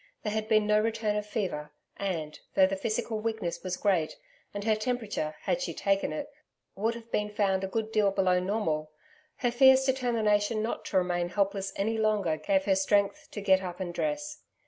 There had been no return of fever, and, though the physical weakness was great and her temperature had she taken it would have been found a good deal below normal, her fierce determination not to remain helpless any longer gave her strength to get up and dress.